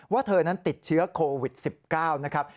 เธอนั้นติดเชื้อโควิด๑๙นะครับ